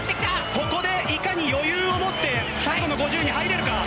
ここでいかに余裕をもって最後の５０に入れるか。